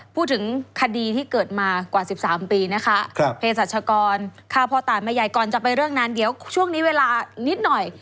พูดถึงคดีที่เกิดมากว่า๑๓ปีนะคะเพศรัชกรฆ่าพ่อตายแม่ใหญ่ก่อนจะไปเรื่องนั้นเดี๋ยวช่วงนี้เวลานิดหน่อย